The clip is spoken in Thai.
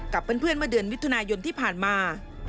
กับเพื่อนเมื่อเดือนมิถุนายนที่ผ่านมา